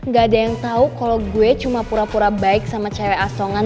gak ada yang tahu kalau gue cuma pura pura baik sama cewek asongan